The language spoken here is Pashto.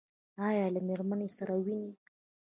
ایا له میرمنې سره وینئ؟